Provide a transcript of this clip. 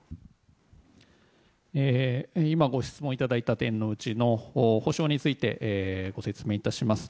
今、ご質問いただいた点のうちの補償についてご説明いたします。